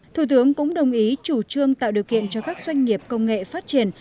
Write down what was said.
thủ tướng cũng đồng ý chủ trương tạo điều kiện cho các doanh nghiệp công nghệ phát triển